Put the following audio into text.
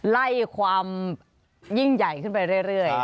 ไล่ความยิ่งใหญ่ขึ้นไปเรื่อย